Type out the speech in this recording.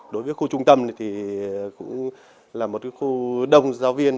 đối với khu trung tâm thì cũng là một khu đông giáo viên